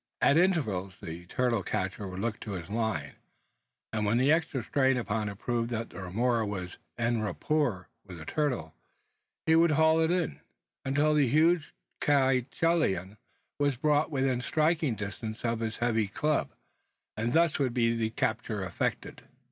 At intervals, the turtle catcher would look to his line; and when the extra strain upon it proved that the remora was en rapport with a turtle, he would haul in, until the huge chelonian was brought within striking distance of his heavy club; and thus would the capture be effected.